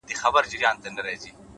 هر منزل د بل سفر پیل وي؛